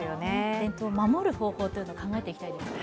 伝統を守る方法を考えていきたいですね。